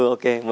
ok em hứa